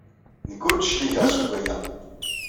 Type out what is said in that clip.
Nekk ur d-cligeɣ seg waya.